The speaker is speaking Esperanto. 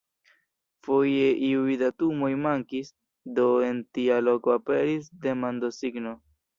Foje iuj datumoj mankis, do en tia loko aperis demandosigno.